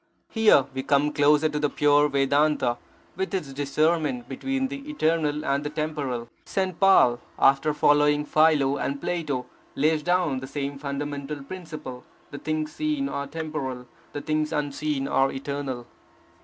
Here we come close to the pure Vedanta, with its discernment between the eternal and the temporal. St. Paul, following after Philo and Plato, lays down the same fundamental principle: the things seen are temporal, the things unseen are eternal.